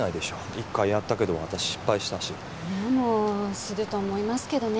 １回やったけど私失敗したしでもすると思いますけどね